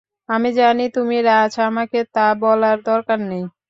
আমি জানি তুমি রাজ, আমাকে তা বলার দরকার নেই।